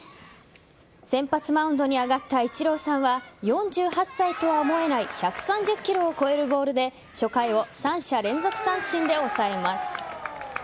先発マウンドに上がったイチローさんは４８歳とは思えない１３０キロを超えるボールで初回を３者連続三振で抑えます。